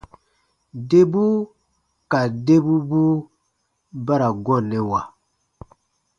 Debu ka debubuu ba ra gɔnnɛwa.